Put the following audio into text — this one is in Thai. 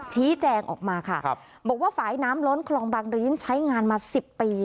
ชี้แจงออกมาค่ะบอกว่าฝ่ายน้ำล้นคลองบางริ้นใช้งานมา๑๐ปี